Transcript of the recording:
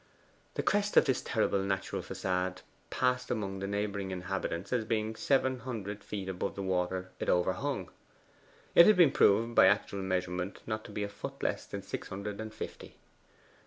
The crest of this terrible natural facade passed among the neighbouring inhabitants as being seven hundred feet above the water it overhung. It had been proved by actual measurement to be not a foot less than six hundred and fifty.